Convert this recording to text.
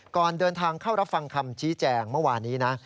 ก่อนเดินทางเข้ารับฟังคำชี้แจงเมื่อวานนี้นะ